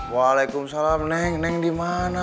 waalaikumsalam neng neng di mana